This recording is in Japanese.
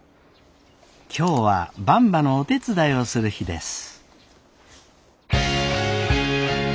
今日はばんばのお手伝いをする日です。